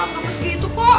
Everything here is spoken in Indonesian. gak orang gemes gitu kok